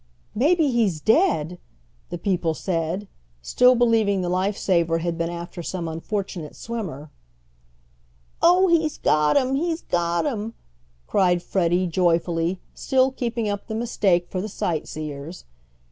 "Maybe he's dead!" the people said, still believing the life saver had been after some unfortunate swimmer. "Oh, he's got him! He's got him!" cried Freddie, joyfully, still keeping up the mistake for the sightseers.